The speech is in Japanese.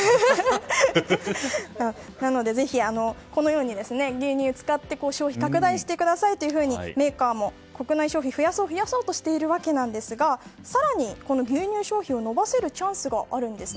なので、ぜひこのように牛乳を使って消費を拡大してくださいというふうにメーカーも国内消費を増やそうとしているわけですが更に牛乳消費を伸ばせるチャンスがあるんです。